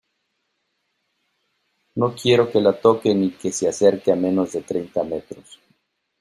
no quiero que la toque ni que se acerque a menos de treinta metros.